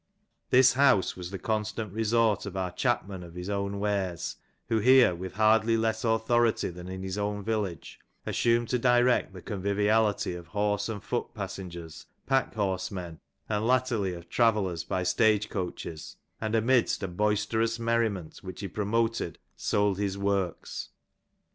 This house was the constant resort of our chapman of his own wares, who here with hardly less authority than in his own village, assumed to direct the conviviality of horse and foot passengers, pack horse men, and latterly of travellers by stage coaches, and amidst a boisterous merriment which he pro moted, sold his works.